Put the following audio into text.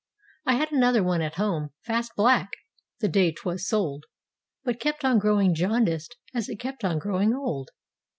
I had another one at home, "Fast Black," (the day 'twas sold) But kept on growing jaundiced as it kept on grow¬ ing old.